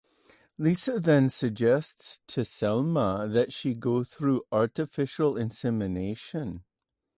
Lisa then suggests to Selma that she go through artificial insemination.